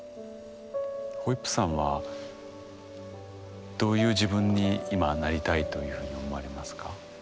ホイップさんはどういう自分に今はなりたいというふうに思われますか？